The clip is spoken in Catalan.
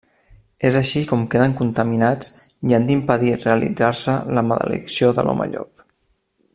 És així com queden contaminats, i han d'impedir realitzar-se la maledicció de l'home- llop.